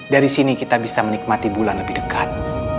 dari sini kita bisa menikmati bulan lebih dekat